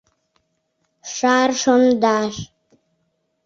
Шар шондаш